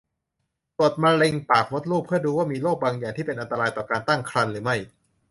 ตรวจมะเร็งปากมดลูก เพื่อดูว่ามีโรคบางอย่างที่เป็นอันตรายต่อการตั้งครรภ์หรือไม่